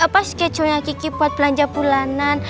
pas kecohnya kiki buat belanja bulanan